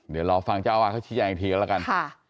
เดี๋ยวเราฟังเจ้าอาทิตย์อีกทีกันแล้วกัน